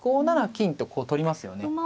５七金と取りますよね。